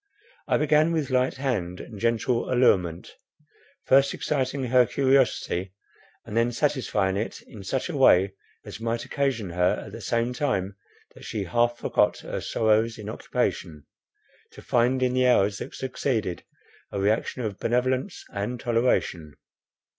I began with light hand and gentle allurement; first exciting her curiosity, and then satisfying it in such a way as might occasion her, at the same time that she half forgot her sorrows in occupation, to find in the hours that succeeded a reaction of benevolence and toleration.